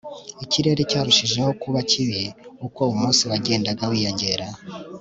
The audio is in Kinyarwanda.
ikirere cyarushijeho kuba kibi uko umunsi wagendaga wiyongera